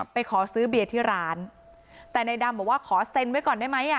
ขอซื้อเบียร์ที่ร้านแต่ในดำบอกว่าขอเซ็นไว้ก่อนได้ไหมอ่ะ